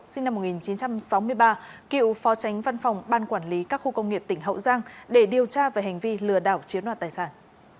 sinh năm một nghìn chín trăm sáu mươi ba cựu phó tránh văn phòng ban quản lý các khu công nghiệp tỉnh hậu giang để điều tra về hành vi lừa đảo chiếm đoạt tài sản